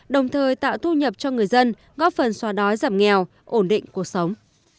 đồng thời tạo thu nhập cho người dân góp phần xóa đói giảm nghèo ổn định cuộc sống